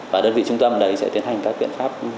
và đơn vị trung tâm đấy sẽ tiến hành các biện pháp